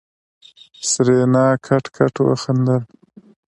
سېرېنا کټ کټ وخندل.